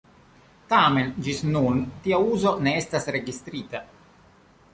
Tamen ĝis nun tia uzo ne estas registrita.